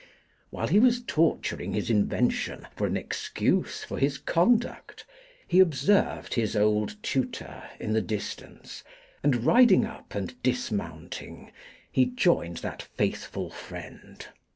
While he was torturing his invention for an excuse for his conduct he observed his old tutor in the distance; and riding up and dismounting, he joined that faithful friend.